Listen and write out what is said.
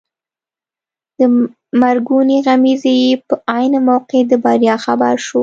د مرګونې غمیزې په عین موقع د بریا خبر شو.